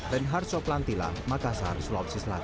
ben harsho plantila makassar sulawesi selatan